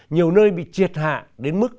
nhiều nơi bị triệt hạ đến mức